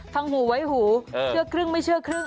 หูไว้หูเชื่อครึ่งไม่เชื่อครึ่ง